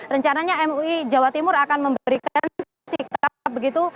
rencananya mui jawa timur akan memberikan sikap begitu